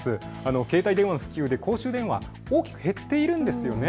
携帯電話の普及で公衆電話、大きく減っているんです。